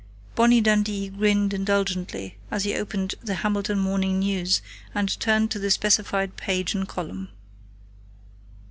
Bonnie Dundee grinned indulgently as he opened The Hamilton Morning News and turned to the specified page and column.